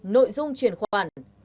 nội dung truyền khoản